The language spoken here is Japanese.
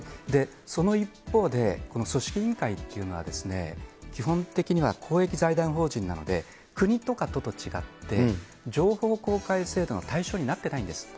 その一方で、この組織委員会というのは、基本的には公益財団法人なので、国とか都と違って、情報公開制度の対象になってないんです。